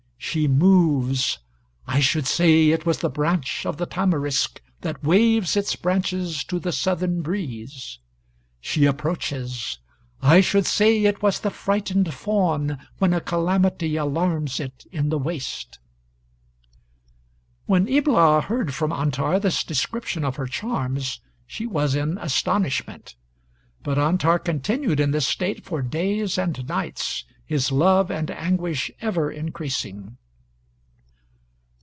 She moves; I should say it was the branch of the Tamarisk that waves its branches to the southern breeze. She approaches; I should say it was the frightened fawn, when a calamity alarms it in the waste_. When Ibla heard from Antar this description of her charms, she was in astonishment. But Antar continued in this state for days and nights, his love and anguish ever increasing.